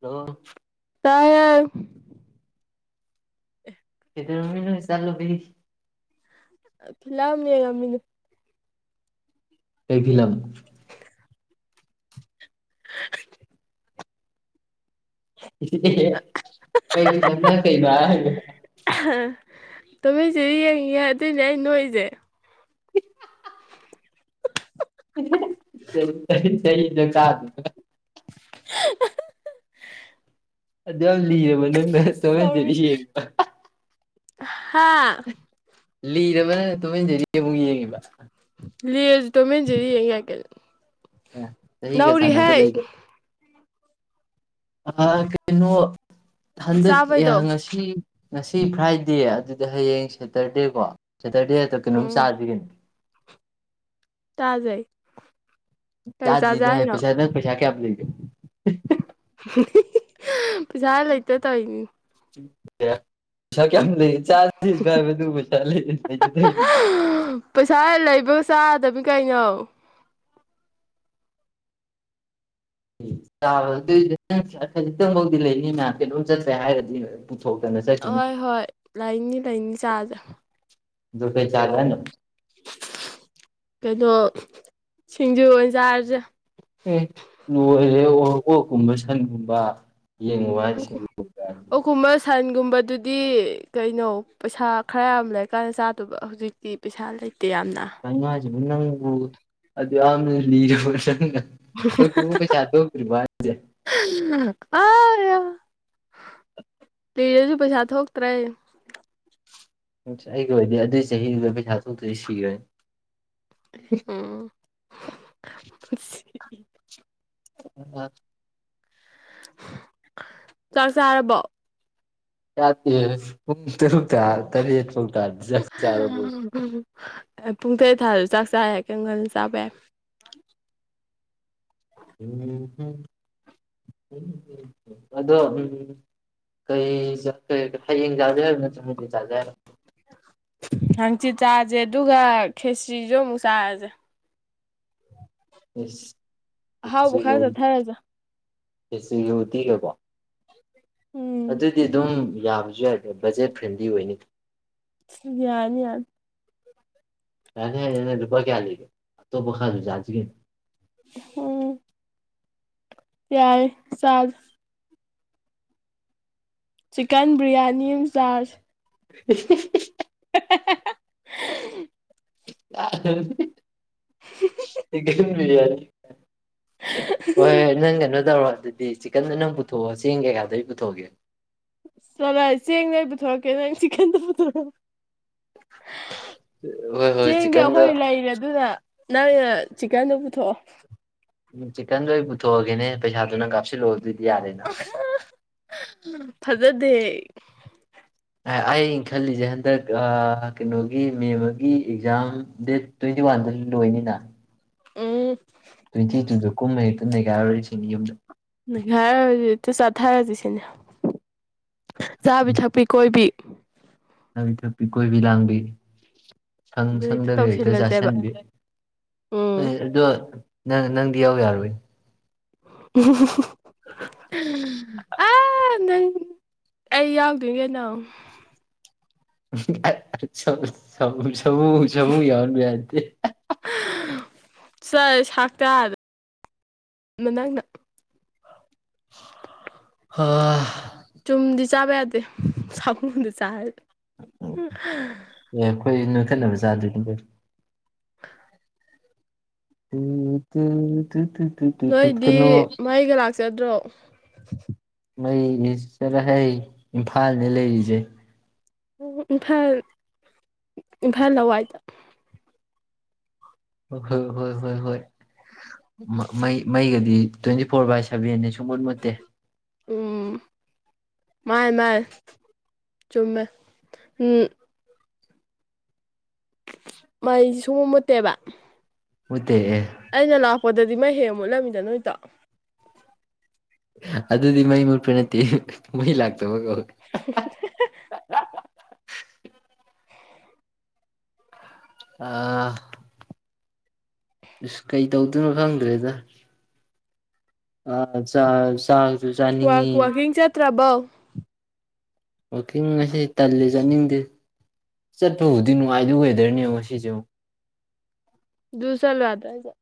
hello [unintelligible] ꯍꯗꯔꯃꯤ ꯂ ꯆꯠꯂꯕꯤ [unintelligible] ꯐꯤꯂ ꯌꯥꯃꯤꯅ ꯑꯦꯚꯂꯂꯝ [inaudible] ꯀ ꯆ ꯀꯩ ꯇꯃꯩꯁꯦ ꯌꯦꯡꯉ ꯌꯥ ꯑꯗꯨꯏꯅꯦ ꯑꯩ ꯅꯣꯏꯁꯦ ꯁ ꯀꯥꯗ [unintelligible] ꯗ ꯃꯅꯦ ꯃ ꯊꯧꯃꯦ ꯆꯔꯤ ꯎ [unintelligible] ꯍꯥꯥ ꯂꯤꯔꯕꯔꯕꯅꯤꯅ ꯇꯨꯁꯤꯟꯖꯔꯤꯌꯦ ꯑꯃꯨꯛ ꯌꯦꯡꯉꯤꯕ ꯂꯁꯨ ꯇꯣ ꯃꯖꯔꯤ ꯌꯥ ꯀ ꯆꯍꯤꯒ ꯅꯅꯥꯎꯔꯤ ꯆꯥꯟꯅꯕ ꯍꯥꯏ ꯑ ꯀꯩꯅꯣ ꯍꯟꯗꯛ ꯆꯥꯕꯩꯗꯣ ꯉꯁꯤ ꯉꯁꯤ ꯐ꯭ꯔꯥꯏꯗꯦ ꯑꯗꯨꯗꯤ ꯍꯌꯦꯡ ꯁꯦꯇꯔꯗꯦꯀꯣ ꯁꯦꯇꯔꯗꯦꯗ ꯀꯩꯅꯣꯝ ꯎꯝ ꯆꯥꯗ꯭ꯒꯅꯤ ꯇꯖ ꯆꯥꯖꯗꯤ ꯍꯥꯏ ꯄꯩꯁꯥꯗ ꯄꯩꯁꯥ ꯀꯦ [inaudible] ꯄꯁꯥ ꯂꯩꯇ ꯇꯏꯅꯤ [inaudible] ꯀ ꯂꯩ ꯆꯥꯁꯤꯥꯏ ꯄꯩ ꯆꯥ ꯊ ꯆꯥꯗꯕꯤ ꯀꯩꯅꯣ ꯥ ꯑꯗꯨ ꯈꯖꯤꯛꯇꯪꯐꯥꯎꯗꯤ ꯂꯩꯅꯤ ꯃꯌꯥꯝ ꯀ ꯑꯗꯨꯝ ꯆꯠꯁ꯭ꯔꯦ ꯍꯥꯏꯔꯗꯤ ꯄꯨꯊꯣꯛꯇꯅ ꯆꯠꯈꯤꯅꯤ ꯍꯣꯏ ꯍꯣꯏ ꯂꯩꯅꯤ ꯂꯩꯅꯤ ꯆꯥꯗ꯭ꯔꯦ ꯗꯨꯄꯤ ꯆꯥ ꯍꯥꯏ ꯅ ꯀꯩꯅꯣ ꯁꯤꯡꯖꯨ ꯑꯣꯏꯅꯟꯖꯥ ꯍꯥꯏꯔꯁꯦ ꯂꯣꯏꯔꯦ ꯑꯔꯣꯏꯕꯥ ꯀ ꯀꯣꯛꯀꯨꯝꯕ ꯁꯟꯒꯨꯝꯕ ꯌꯦꯡꯉꯨꯕ ꯍꯥꯏꯁꯦ ꯑꯣ ꯑꯣꯀꯨꯃ ꯁ ꯨꯝꯕꯗꯨꯗꯤ ꯀꯩꯅꯣ ꯄꯩꯁꯥ ꯈꯔ ꯌꯥꯝ ꯂꯩꯔꯀꯥꯟꯗ ꯆꯥꯗꯕ ꯍꯧꯖꯤꯛꯇꯤ ꯄꯩꯁꯥ ꯂꯩꯇ ꯇꯤ ꯌꯥꯝꯅ ꯪ ꯑꯗꯨꯗꯤ ꯌꯥꯝ ꯍꯧ ꯇꯨ ꯄꯗ ꯀꯔꯤꯕꯥ ꯑ ꯇꯤꯗꯁꯨ ꯄꯩꯁꯥ ꯊꯣꯛꯇ꯭ꯔꯦ ꯑꯩꯒꯤ ꯑꯣꯏꯗꯤ ꯑꯗꯨꯏ ꯆꯍꯤꯗꯨꯗ ꯄꯩꯁꯥ ꯊꯣꯛꯇꯗꯤ ꯁꯤꯈꯣꯏꯅꯤ ꯎꯝ [inaudible] [inaudible] ꯆꯥꯛ ꯆꯥꯔꯕꯣ [unintelligible] ꯆ ꯇꯔꯤ ꯌꯦ ꯐꯪ ꯇꯥ ꯆꯂꯕꯁ ꯄꯨꯡ ꯇꯔꯦꯠ ꯊꯥꯗ ꯆꯥꯛ ꯆꯥ ꯀꯪꯒꯜ ꯆꯥꯕ ꯌꯥꯏ ꯎꯝ ꯎ ꯑꯗꯣ ꯎꯝ ꯀꯩ ꯍꯌꯦꯡ ꯆꯥꯗꯦ ꯍꯥꯏꯕ ꯅꯠꯇ ꯆꯗꯔ ꯍꯪꯆꯤꯠ ꯆꯥꯥꯁꯦ ꯑꯗꯨꯒ ꯈꯦꯁ꯭ꯔꯤꯁꯨ ꯑꯃꯨꯛ ꯆꯥꯔꯁꯦ ꯎꯝ ꯑꯍꯥꯎꯕ ꯈꯔ ꯆꯠꯊꯔꯁꯦ ꯌꯇꯤꯒꯦꯀꯣ ꯎꯝ ꯑꯗꯨꯗꯤ ꯑꯗꯨꯝ ꯌꯥꯕꯁꯨ ꯌꯥꯏꯗ꯭ꯔꯦ ꯕꯖꯦꯠ ꯐ꯭ꯔꯦꯟꯗꯤ ꯑꯣꯏꯅꯤ ꯌꯥꯅꯤ ꯌꯥꯔ ꯀ ꯔꯨꯄꯥ ꯀꯌꯥ ꯂꯩꯒꯦꯣ ꯄꯨꯈꯥꯔ ꯆꯥꯁꯤꯒꯦ ꯎꯝ ꯌꯥꯏ ꯁꯥꯖ ꯆꯤꯛꯀꯟ ꯕꯤꯔꯌꯥꯅꯤ ꯆꯔ [unintelligible] [unintelligible] [unintelligible] ꯏ ꯀ ꯌꯥꯔꯦ [unintelligible] [inaudible] ꯍꯣꯏ ꯅꯪ ꯀꯩꯅꯣ ꯇꯧꯔꯣ ꯑꯗꯨꯗꯤ ꯗꯤ ꯆꯤꯛꯀꯟꯅ ꯅꯪ ꯄꯨꯊꯣꯛꯑꯣ ꯆꯦꯡ ꯀꯩꯀꯥꯗꯨ ꯑꯩ ꯄꯨꯊꯣꯛꯒꯦ ꯆꯂꯍꯩ ꯆꯦꯡꯗꯩ ꯑꯩ ꯄꯨꯊꯣꯔꯛꯀꯦ ꯅꯪ ꯆꯤꯛꯀꯟꯗꯣ ꯄꯨꯊꯣꯛꯎ ꯍꯣꯏ ꯍꯣꯏ ꯆꯦꯡꯗꯤ ꯆꯤꯛꯀꯟꯗꯣ ꯑꯩꯈꯣꯏ ꯂꯩꯔꯦ ꯑꯗꯨꯅ ꯅꯪꯅ ꯆꯤꯀꯟꯗꯨ ꯄꯨꯊꯣꯛꯑꯣ ꯎꯝ ꯆꯤꯛꯀꯟꯗꯣ ꯑꯩ ꯄꯨꯊꯣꯛꯑꯒꯦꯅꯦ ꯄꯩꯁꯥꯗꯨ ꯅꯪ ꯀꯥꯞꯁꯤꯜꯂꯛꯑꯣ ꯑꯗꯨꯗꯤ ꯌꯥꯔꯦꯅ ꯖꯗꯦ ꯑꯥ ꯑꯩꯟ ꯈꯜꯂꯤꯁꯦ ꯍꯟꯗꯛ ꯑ ꯀꯩꯅꯣꯒꯤ ꯃꯦꯃꯒꯤ ꯑꯦꯛꯖꯥꯝ ꯗꯦꯠ ꯇ꯭ꯋꯦꯟꯇꯤ ꯋꯥꯟꯗ ꯂꯣꯏꯅꯤꯅ ꯎꯝ ꯅꯩꯒꯥꯏꯔꯣꯏ ꯁꯤꯅꯤ ꯌꯨꯝꯗꯤ ꯅꯩꯈꯥꯏꯔ ꯍꯧꯖꯤꯛ ꯍꯦꯛꯇ ꯆꯥꯊꯔꯁꯤ ꯏꯅꯤ ꯆꯥꯕꯤ ꯊꯛꯄꯤ ꯀꯣꯏꯕꯤ ꯅꯥꯕꯤ ꯊꯛꯄꯤ ꯀꯣꯏꯕꯤ ꯂꯥꯡꯕꯤ ꯁꯪ ꯑꯗꯨ ꯁꯪꯗꯒ ꯍꯦꯛꯇ ꯇꯧꯁꯤꯜꯂꯁꯦꯕ ꯆꯥꯁꯟꯕꯤ ꯎꯝ ꯑꯗꯣ ꯅꯪ ꯅꯪ ꯌꯥꯎ ꯌꯥꯔꯣꯏ [unintelligible] ꯎꯝ [unintelligible] ꯑ ꯅꯪ ꯑꯩ ꯌꯥꯎꯗꯣꯏ ꯀꯩꯅꯪ ꯁꯧ ꯁꯧ [unintelligible] ꯆꯃꯨ ꯆꯃꯨ ꯌꯥꯎꯍꯟꯕ ꯌꯥꯗꯦ ꯆꯥꯏ ꯁꯥꯛꯇꯥꯗ ꯅꯪꯅ ꯍꯥ ꯆꯨꯝꯗꯤ ꯆꯥꯕ ꯌꯥꯗꯦ ꯁꯥꯃꯨꯅ ꯆꯥꯏ ꯌꯥ ꯑꯣꯈꯣꯏꯅ ꯈꯟꯅꯕ ꯆꯥꯗꯣꯏ ꯀꯩꯅꯣ [inaudible] ꯇꯨ ꯇꯨ ꯇꯨꯇꯨ ꯅꯣꯏꯗꯤ ꯃꯩꯒ ꯂꯥꯛ ꯆꯗ꯭ꯔꯣ ꯃꯩꯅꯤ ꯆꯔꯍꯩ ꯏꯝꯐꯥꯜꯅꯦ ꯂꯩꯔꯤꯁꯦ ꯎ ꯏꯝꯐꯥꯜ ꯏꯝꯐꯥꯜ ꯂꯋꯥꯏꯗ ꯍꯣꯏ ꯍꯣꯏ ꯍꯣꯏ ꯍꯣꯏ ꯍꯣꯏ ꯃꯩ ꯃꯩꯒꯗꯤ ꯇ꯭ꯋꯦꯟꯇꯤ ꯐꯣꯔ ꯕꯥꯏ ꯁꯚꯦꯟꯅꯤ ꯁꯨꯡ ꯃꯨꯠ ꯃꯨꯠꯇꯦ ꯎꯝ ꯃꯥꯟꯅ‌‌ꯦ ꯃꯥꯟꯅ‌ꯦ ꯆꯨꯝꯃꯦ ꯎꯝ ꯃꯩꯁꯤ ꯁꯨꯃꯨꯠ ꯃꯨꯠꯇꯦꯕ ꯃꯨꯠ ꯑꯩꯅ ꯂꯥꯛꯄꯗꯗꯤ ꯃꯩ ꯍꯦꯛ ꯃꯨꯠꯂꯝꯃꯤꯗ ꯅꯣꯏꯗꯣ ꯑꯗꯨꯗꯤ ꯃꯩ ꯃꯨꯠꯄꯩ ꯅꯠꯇꯦ ꯃꯩ ꯂꯥꯛ [unintelligible] [unintelligible] ꯑꯥ ꯏꯁ ꯀꯩ ꯇꯧꯗꯣꯏꯅꯣ ꯈꯪꯗ꯭ꯔꯦꯗ ꯋꯥ ꯆꯥꯅꯤꯡꯉꯤ ꯋꯥꯀꯤꯡ ꯆꯠꯇ꯭ꯔꯕꯧ ꯋꯥꯛꯀꯤꯡ ꯑꯁꯤ ꯇꯜꯂ ꯆꯠꯅꯤꯡꯗꯦ ꯆꯠꯄꯕꯨꯗꯤ ꯅꯨꯡꯉꯥꯏꯗꯣꯏ ꯋꯦꯗꯔꯅꯦꯕ ꯌꯦꯡꯎ ꯉꯁꯤꯁꯦ ꯌꯦꯡꯎ ꯗꯨ ꯆꯠꯂꯨ ꯌꯥꯗ꯭ꯔ ꯑꯗꯩꯗ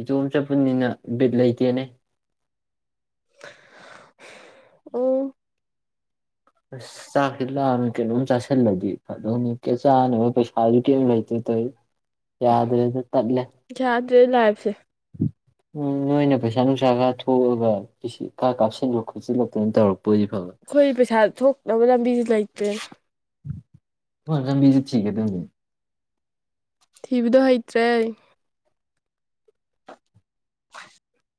ꯏꯇꯣꯝ ꯆꯠꯄꯅꯤꯅ ꯕꯤꯠ ꯂꯩꯇꯦꯅꯦ ꯑꯣ ꯑꯁꯉ ꯆꯥꯛ ꯁꯤ ꯂꯥꯝꯃꯤ ꯀꯩꯅꯣꯝ ꯆꯁꯤꯜꯂꯗꯤ ꯐꯗꯧꯅꯤ ꯀꯦ ꯆꯅꯕ ꯄꯩꯁꯥꯁꯨ ꯀꯦꯝ ꯂꯩꯇꯦ ꯇꯧꯔꯤꯁꯤ ꯌꯥꯗꯔꯦꯗ ꯇꯠꯂꯦ ꯗꯦ ꯂꯥꯏꯞꯁꯦ ꯎꯝ ꯅꯣꯏꯅ ꯄꯩꯁꯥ ꯅꯨꯡꯁꯥ ꯈ ꯊꯣꯛꯑꯒ ꯈꯥ ꯀꯥꯞꯁꯤꯜꯂ ꯈꯣꯠꯤꯜꯂꯛꯇꯅ ꯇꯧꯔꯛꯄ ꯑꯣꯏꯗꯤ ꯐꯕ ꯑꯩꯈꯣꯏ ꯄꯩꯁꯥ ꯊꯣꯛꯅꯕ ꯂꯝꯕꯤꯁꯤ ꯂꯩꯇ꯭ꯔꯦꯅꯦ ꯂꯝꯕꯤꯗꯨ ꯊꯤꯒꯗꯕꯅꯤ ꯊꯤꯕꯗꯣ ꯍꯩꯇ꯭ꯔꯦ [unintelligible]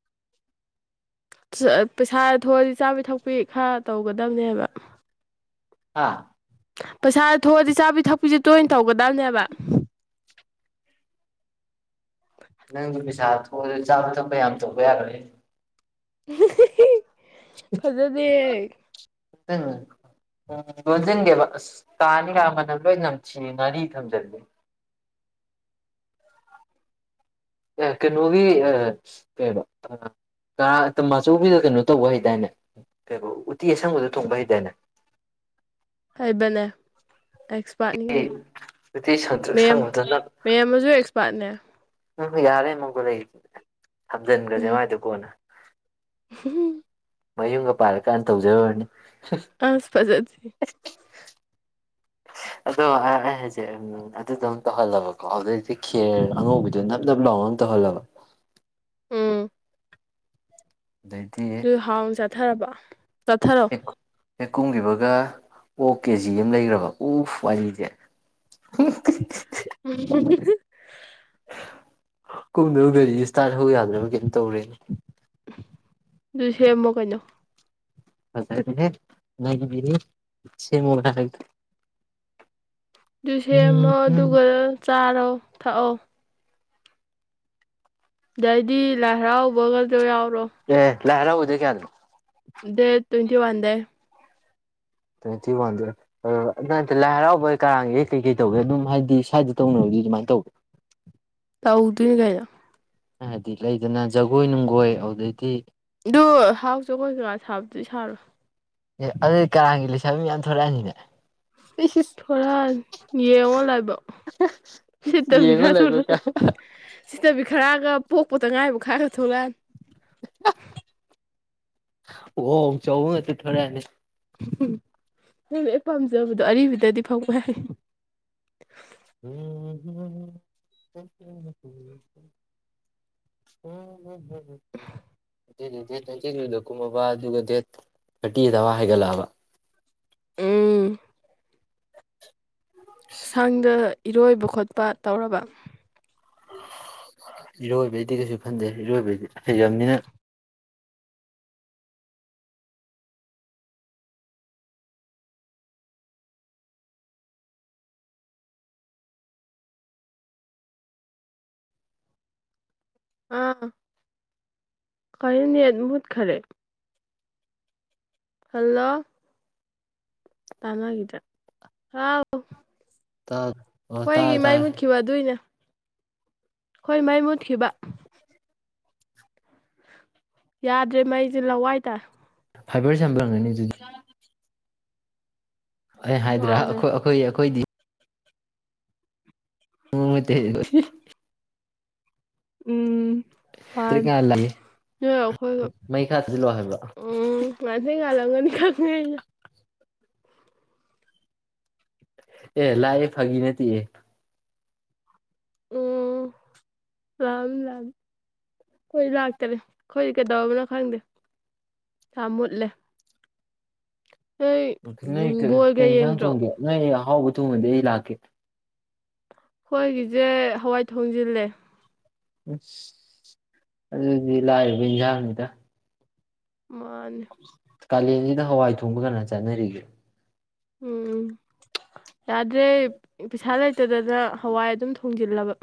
ꯄꯩꯁꯥ ꯊꯣꯛꯑꯗꯤ ꯆꯥꯕꯤ ꯊꯛꯄꯤ ꯈꯔ ꯇꯧꯒꯗꯕꯅꯦꯕ ꯍꯥ ꯄꯩꯁꯥꯗꯨ ꯊꯣꯛꯑꯗꯤ ꯆꯥꯕꯤ ꯊꯛꯄꯤꯁꯦ ꯇꯣꯏꯅ ꯇꯧꯒꯗꯕꯅꯦꯕ ꯅꯪꯗꯤ ꯄꯩꯁꯥ ꯊꯣꯛꯑꯁꯨ ꯆꯥꯕ ꯊꯛꯄ ꯌꯥꯝ ꯇꯧꯕ ꯌꯥꯔꯣꯏꯍꯦ ꯐꯖꯗꯦ ꯎ ꯂꯣꯟꯁꯤꯟꯒꯦꯕ ꯑꯁ ꯇꯥꯅꯤꯒ ꯃꯅꯝ ꯂꯣꯏ ꯅꯝꯊꯤ ꯉꯥꯔꯤ ꯊꯝꯖꯟꯕꯩ ꯑꯦ ꯀꯩꯅꯣ ꯍꯥꯏꯕꯅꯦ ꯑꯦꯛꯁꯄꯥꯔꯠꯅꯤ ꯀꯩꯅꯣ ꯎꯇꯤ ꯁꯪꯇ꯭ꯔꯤꯛ ꯃꯦꯝ ꯁꯪꯕꯗꯅ ꯃꯦꯝ ꯑꯃꯁꯨ ꯑꯦꯛꯁꯄꯥꯔꯠꯅꯦ ꯎꯝ ꯌꯥꯔꯦ ꯍꯟꯖꯟꯒꯔꯁꯦ ꯃꯥꯏꯗꯨ ꯀꯣꯟꯅ ꯍꯝ ꯃꯌꯨꯝꯒ ꯄꯥꯜꯂꯀꯥꯟꯗ ꯇꯧꯖꯔꯨꯨꯔꯅꯤ ꯑꯁ ꯐꯖꯗꯦ ꯑꯗꯣ ꯑꯩꯅ ꯍꯥꯏꯁꯦ ꯑꯗꯨꯗꯣ ꯇꯧꯍꯜꯂꯣꯕꯀꯣ ꯑꯗꯨꯏꯗꯤ ꯈꯦꯔ ꯑꯉꯧꯕꯤꯗꯨ ꯅꯞ ꯅꯞ ꯂꯥꯎ ꯇꯧꯍꯜꯂꯣꯕ ꯎꯝ ꯑꯗꯩꯗꯤ ꯑꯗꯨ ꯍꯥꯎꯅ ꯆꯠꯊꯔꯕ ꯇꯊꯔꯣ ꯍꯦꯛ ꯀꯨꯝꯈꯤꯕꯒ ꯑꯣ ꯀꯦꯖꯤ ꯑꯃ ꯂꯩꯈ꯭ꯔꯕ ꯎ ꯋꯥꯔꯤꯗꯦ ꯎꯝ ꯀꯨꯝꯗꯧꯗꯔꯤ ꯏꯁꯇꯥꯔꯠ ꯍꯧ ꯌꯥꯗ꯭ꯔꯕ ꯀꯩꯝ ꯇꯧꯔꯦꯍꯦ ꯑꯗꯨ ꯁꯦꯝꯃꯣ ꯀꯩꯅꯣ ꯐꯦ ꯃꯤ [unintelligible] ꯇꯨꯁꯦꯃꯣ ꯃꯗꯨꯒꯔ ꯆꯥꯔꯣ ꯊꯛꯑꯣ ꯗꯗꯤ ꯂꯥꯏꯔꯥꯎꯕꯒꯗꯣ ꯌꯥꯎ ꯎꯝ ꯂꯥꯏꯍꯔꯥꯎ ꯗꯦꯠ ꯀꯌꯥꯅꯣ ꯗꯦꯠ ꯇ꯭ꯋꯦꯟꯇꯤ ꯋꯥꯟ ꯗꯩ ꯇ꯭ꯋꯦꯟꯇꯤ ꯋꯥꯟꯗꯨꯗ ꯑꯗ ꯂꯥꯏ ꯍꯔꯥꯎꯕ ꯀꯔꯥꯡꯒꯤ ꯀꯩꯀꯩ ꯇꯧꯒꯦ ꯑꯗꯨꯝ ꯍꯥꯏꯗꯤ ꯁ꯭ꯋꯥꯏꯗ ꯇꯧꯅꯔꯗꯤ ꯑꯗꯨꯃꯥꯏ ꯇꯧꯕ꯭ꯔꯣ ꯇꯧꯗꯣꯏꯅꯦ ꯀꯩꯅꯣ ꯑꯩꯍꯥꯏꯗꯤ ꯂꯩꯗꯅ ꯖꯒꯣꯏ ꯅꯨꯡꯒꯣꯏ ꯑꯗꯨꯗꯩꯗꯤ ꯑꯗꯨ ꯍꯥꯎꯖꯒꯣꯢ ꯀꯩꯀ ꯁꯥꯕꯗꯨꯗꯤ ꯁꯥꯔꯣꯏ ꯑꯦ ꯑꯗꯨꯗꯤ ꯀꯔꯥꯡꯒꯤ ꯂꯩꯁꯥꯕꯤ ꯃꯌꯥꯝ ꯊꯣꯛꯂꯛꯑꯅꯤꯅꯦ ꯊꯔꯛꯑꯅꯤ ꯌꯦꯡꯉꯣ ꯂꯥꯢꯕꯛ ꯁꯤꯠꯇꯕꯤ ꯌꯦꯡꯉꯣ ꯈꯔ ꯂꯩꯕ ꯊꯣꯔꯛꯑ ꯀꯥꯟ ꯁꯤꯠꯇꯕꯤ ꯈꯔꯒ ꯄꯣꯛꯄꯇ ꯉꯥꯏꯕ ꯈꯔ ꯊꯣꯛꯂꯛꯑꯅꯤ ꯑꯣ ꯆꯥꯎ ꯉꯥꯛꯇ ꯊꯣꯔꯛꯑꯅꯤ ꯎ ꯅꯣꯢꯅ ꯍꯦꯛ ꯄꯥꯝꯖꯕꯗꯣ ꯑꯔꯤꯕꯗꯗꯤ ꯐꯪꯕ ꯌꯥꯏ ꯎ [unintelligible] [unintelligible] ꯑꯗꯨ ꯗꯦꯠ ꯇ꯭ꯋꯦꯟꯇꯤ ꯇꯨꯗ ꯀꯨꯝꯃꯕ ꯑꯗꯨꯒ ꯗꯦꯠ ꯊꯥꯔꯇꯤ ꯑꯗꯋꯥꯢ ꯍꯥꯏꯒꯠꯂꯛꯑꯕ ꯎꯝ ꯁꯥꯡꯗ ꯏꯔꯣꯏꯕ ꯈꯣꯠꯄ ꯇꯧꯔꯕ ꯏꯔꯣꯏꯕꯩꯗꯤ ꯀꯩꯁꯨ ꯈꯟꯗꯦ ꯏꯔꯣꯏꯕꯩꯗꯤ ꯍꯩꯖꯝꯅꯤꯅ ꯑꯥ ꯀꯩꯅꯣ ꯅꯦꯠ ꯃꯨꯠꯈꯔꯦ ꯍꯜꯂꯣ ꯇꯥꯅꯒꯤꯗ꯭ꯔꯦ ꯍꯥꯎ ꯑꯣ ꯇꯥꯔꯦ ꯈꯣꯏꯒꯤ ꯃꯩ ꯇꯥꯔꯦ ꯃꯨꯠꯈꯤꯕ ꯑꯗꯨꯏꯅꯦ ꯍꯣꯏ ꯃꯩ ꯃꯨꯠꯈꯤꯕ ꯌꯥꯗ꯭ꯔꯦ ꯃꯩꯁꯦ ꯂꯋꯥꯏ ꯇꯥꯢ ꯐꯥꯏꯕꯔ ꯁꯦꯝꯕꯔ ꯑꯣꯢꯔꯝꯒꯅꯤ ꯑꯗꯨꯗꯤ ꯑꯩ ꯍꯥꯏꯗ꯭ꯔꯥ ꯃꯥꯅꯦ ꯑꯩꯈꯣꯏ ꯑꯩꯈꯣꯏ ꯑꯩꯈꯣꯏꯗꯤ [unintelligible] ꯎꯝ ꯍꯥꯟ ꯇ꯭ꯔꯤꯀꯥꯟ ꯂꯥꯛꯑꯦ ꯅꯣꯏꯒ ꯑꯥꯈꯣꯏꯒ ꯃꯩ ꯈꯔ ꯊꯥꯖꯤꯜꯂꯣ ꯍꯥꯏꯕ ꯎꯝ [unintelligible] ꯈꯪꯉꯦ ꯌꯥ ꯑꯦ ꯂꯛꯑꯦ ꯐꯒꯤ ꯅꯠꯇꯤꯑꯦ ꯎꯝ ꯂꯝ ꯂꯝ ꯈꯣꯏ ꯂꯥꯛꯇ꯭ꯔꯤ ꯈꯣꯏ ꯀꯩꯗꯧꯕꯅꯣ ꯈꯪꯗꯦ ꯊꯥ ꯃꯨꯠꯂꯦ ꯅꯣꯏ [unintelligible] ꯀꯩ ꯎꯝ ꯀꯩ ꯕꯣꯜꯒ ꯍꯦꯟꯖꯡ ꯌꯦꯡꯗ꯭ꯔꯣ ꯊꯣꯡꯒꯦ [unintelligible] ꯍꯥꯎꯕꯥ ꯊꯣꯡꯑꯗꯤ ꯂꯛꯀꯦ ꯈꯣꯏꯒꯤꯖꯦ ꯍꯋꯥꯏ ꯊꯣꯡꯖꯤꯜꯂꯦ ꯎꯁ ꯑꯗꯨꯗꯤ ꯂꯥꯢꯔꯕꯩ ꯏꯟꯁꯥꯡꯅꯤꯗ ꯃꯥꯅꯦ ꯀꯥꯂꯦꯟꯁꯤꯗ ꯍꯋꯥꯏ ꯊꯣꯡꯕ ꯀꯅꯥ ꯆꯟꯅꯔꯤꯒꯦ ꯎꯝ ꯌꯥꯗ꯭ꯔꯦ ꯄꯩꯁꯥ ꯂꯩꯇꯗꯅ ꯍꯋꯥꯏ ꯑꯗꯨꯝ ꯊꯣꯡꯖꯤꯜꯂꯕ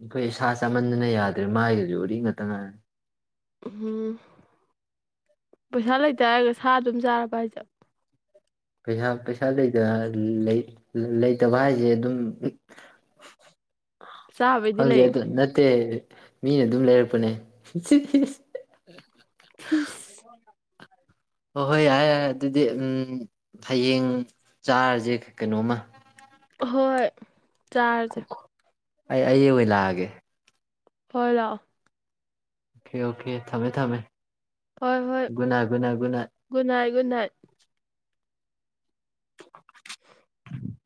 ꯑꯩꯈꯣꯏ ꯁꯥ ꯆꯥꯃꯟꯗꯅ ꯌꯥꯗ꯭ꯔꯦ ꯃꯥꯏꯗꯨꯁꯨ ꯎꯔꯤ ꯉꯥꯛꯇ ꯉꯥꯏꯔꯦ ꯎꯝ ꯄꯩꯁꯥ ꯂꯩꯇꯦ ꯍꯥꯏꯔꯒ ꯁꯥ ꯑꯗꯨꯝ ꯆꯥꯔꯕ ꯍꯥꯏꯁꯦ ꯄꯩꯁꯥ ꯄꯩꯁꯥ ꯂꯩꯇꯅ ꯂꯩ ꯂꯩꯇꯕ ꯍꯥꯏꯁꯦ ꯑꯗꯨꯝ [unintelligible] ꯆꯥꯕꯩꯗꯤ ꯗꯪꯗꯦ ꯂꯩ ꯑꯗꯨ ꯅꯠꯇꯦ ꯃꯤꯅ ꯑꯗꯨꯝ ꯂꯩꯔꯛꯄꯅꯦ [unintelligible] ꯏꯁ ꯍꯣ ꯍꯣꯏ ꯌꯥꯔꯦ ꯌꯥꯔꯦ ꯑꯗꯨꯗꯤ ꯎꯝ ꯍꯥꯌꯦꯡ ꯆꯥꯔꯁꯦ ꯀꯩꯅꯣꯃ ꯍꯣꯏ ꯆꯥꯔꯁꯦ ꯑꯩ ꯑꯩ ꯑꯣꯏꯅ ꯂꯛꯑꯒꯦ ꯍꯣꯏ ꯂꯛꯑꯣ ꯑꯣꯈꯦ ꯑꯣꯈꯦ ꯊꯝꯃꯦ ꯊꯝꯃꯦ ꯍꯣꯏ ꯍꯣꯏ good night good night good night good night ꯒꯨꯠꯅꯥꯠ [inaudible]